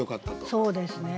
そうですね。